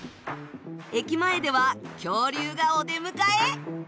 駅前では恐竜がお出迎え。